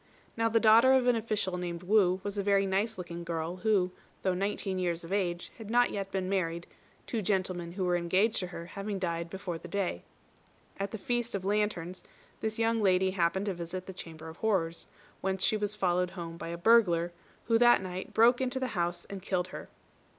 Now the daughter of an official named Wu was a very nice looking girl who, though nineteen years of age, had not yet been married, two gentlemen who were engaged to her having died before the day. At the Feast of Lanterns, this young lady happened to visit the Chamber of Horrors, whence she was followed home by a burglar, who that night broke into the house and killed her.